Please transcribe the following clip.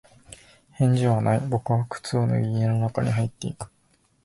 返事はない。僕は靴を脱ぎ、家の中に入っていく。